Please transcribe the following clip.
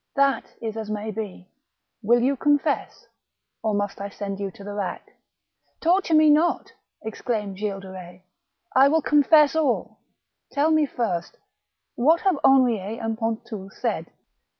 " That is as may be ; will you confess, or must I send you to the rack ?"" Torture me not !" exclaimed Gilles de Retz ;" I will confess all. Tell me first, what have Henriet and Ponton said?"